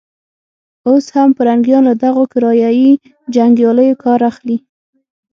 اوس هم پرنګيان له دغو کرایه يي جنګیالیو کار اخلي.